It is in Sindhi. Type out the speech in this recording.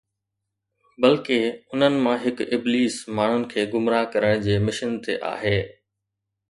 بلڪه انهن مان هڪ ابليس ماڻهن کي گمراهه ڪرڻ جي مشن تي آهي